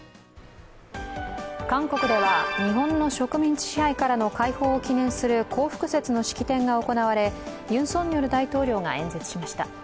韓国では日本の植民地支配からの解放を記念する光復節の式典が行われユン・ソンニョル大統領が演説しました。